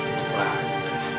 ya allah be